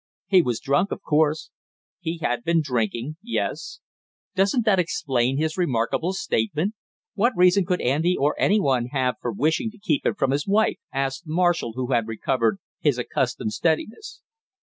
"He was drunk, of course." "He had been drinking yes " "Doesn't that explain his remarkable statement? What reason could Andy or any one have for wishing to keep him from his wife?" asked Marshall who had recovered his accustomed steadiness.